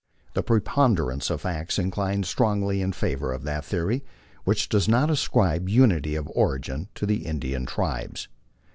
The preponderance of facts inclines strongly in favor of that theory which does not ascribe unity of origin to the Indian tribes.